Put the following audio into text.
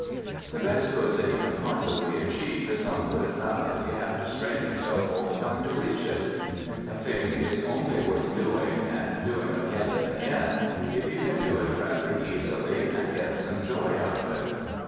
The best good that you can possibly achieve is not good enough if you have to strain yourself all the time to reach it. A thing is only worth doing, and doing again and again, if you can do it rather easily, and get some joy out of it.